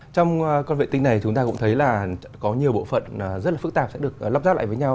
trong con vệ tinh này chúng ta cũng thấy là có nhiều bộ phận rất là phức tạp sẽ được lắp ráp lại với nhau